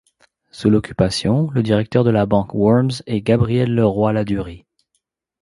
Sous l'occupation, le directeur de la banque Worms est Gabriel Le Roy Ladurie.